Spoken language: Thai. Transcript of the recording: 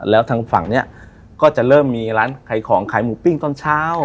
แล้วทางฝั่งนี้ก็จะเริ่มมีร้านขายของขายหมูปิ้งตอนเช้า